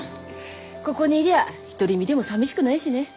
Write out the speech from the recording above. ここにいりゃ独り身でもさみしくないしね。